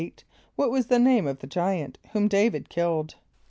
= What was the name of the giant whom D[=a]´vid killed?